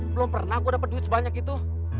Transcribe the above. belum pernah gua dapet duit sebanyak itu